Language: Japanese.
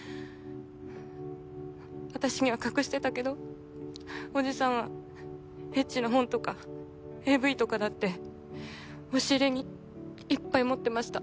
私には隠してたけどおじさんはエッチな本とかＡＶとかだって押し入れにいっぱい持ってました。